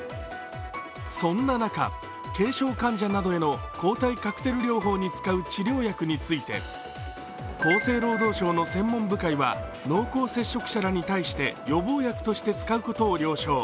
そんな中、軽症患者などへの抗体カクテル療法に使う治療薬について厚生労働省の専門部会は、濃厚接触者らに対して予防薬として使うことを了承。